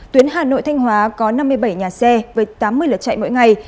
tuyến hà nội thanh hóa có năm mươi bảy nhà xe với tám mươi lượt chạy mỗi ngày